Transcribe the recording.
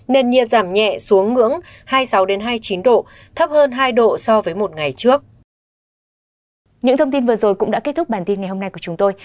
nền nhiệt giảm nhẹ xuống ngưỡng hai mươi sáu hai mươi chín độ thấp hơn hai độ so với một ngày trước